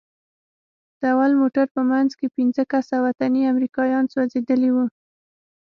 د اول موټر په منځ کښې پينځه کسه وطني امريکايان سوځېدلي وو.